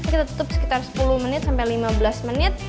kita tutup sekitar sepuluh menit sampai lima belas menit